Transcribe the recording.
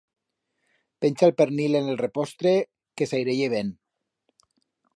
Pencha el pernil en el repostre, que s'aireye ben.